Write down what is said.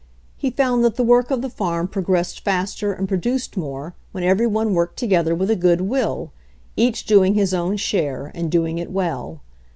He found that the work of the farm progressed faster and produced more when every one worked together with a good will, each doing his own share and doing it well.